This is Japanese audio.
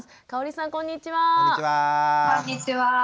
かおりさんこんにちは！